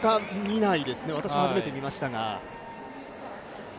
私も初めて見ましたが。